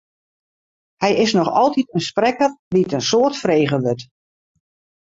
Hy is noch altyd in sprekker dy't in soad frege wurdt.